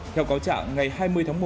theo cáo trạng ngày hai mươi tháng một